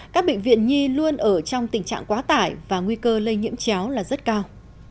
các bệnh viện nhi luôn ở trong tình trạng quá tải và nguy cơ lây nhiễm chéo là rất cao